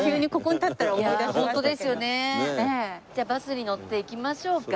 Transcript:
じゃあバスに乗って行きましょうか。